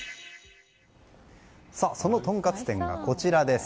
そのとんかつ店がこちらです。